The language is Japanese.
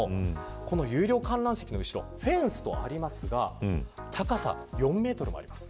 有料観覧席の後ろにフェンスがありますが高さ４メートルもあります。